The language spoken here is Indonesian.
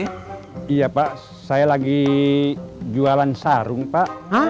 hai iya pak saya lagi jualan sarung pak